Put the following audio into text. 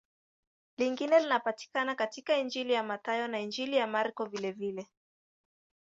Lingine linapatikana katika Injili ya Mathayo na Injili ya Marko vilevile.